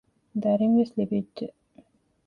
ދަރިންވެސް ލިބިއްޖެ